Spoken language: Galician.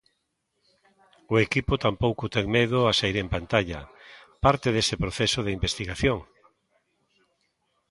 O equipo tampouco ten medo a saír en pantalla, parte dese proceso de investigación.